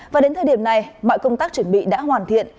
và đến thời điểm này mọi công tác chuẩn bị đã hoàn thiện